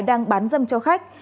đang bán dầm cho khách